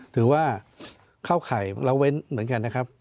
ถือว่าเข้าข่ายละเว้นเหมือนกันนะครับ